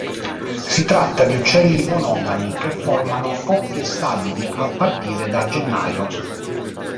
Si tratta di uccelli monogami, che formano coppie stabili a partire da gennaio.